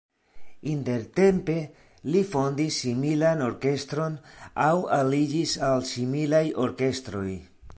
Intertempe li fondis similan orkestron aŭ aliĝis al similaj orkestroj.